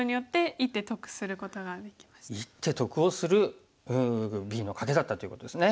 １手得をするＢのカケだったということですね。